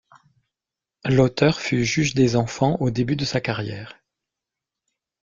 L'auteur fut juge des enfants au début de sa carrière.